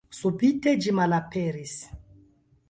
Subite ĝi malaperis.